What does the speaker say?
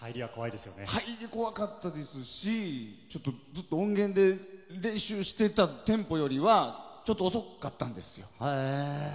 入り、怖かったですしずっと音源で練習してたテンポよりはちょっと遅かったんですよ。